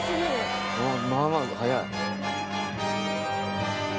まあまあ速い。